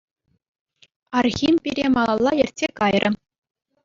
Архим пире малалла ертсе кайрӗ.